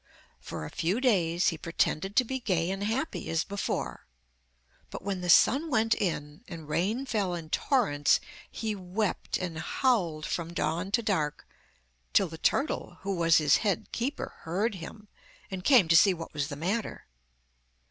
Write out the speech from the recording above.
For a few days he pretended to be gay and happy as before, but when the sun went in, and rain fell in torrents, he wept and howled from dawn to dark, till the turtle, who was his head keeper, heard him, and came to see what was the matter.